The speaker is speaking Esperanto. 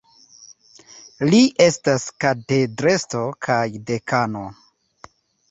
Li estas katedrestro kaj dekano.